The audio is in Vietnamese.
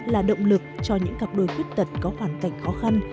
là động lực cho những cặp đôi khuyết tật có hoàn cảnh khó khăn